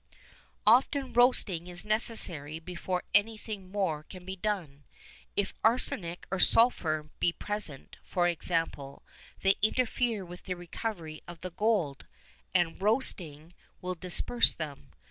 Often roasting is necessary before anything more can be done. If arsenic or sulphur be present, for example, they interfere with the recovery of the gold, and roasting will disperse them.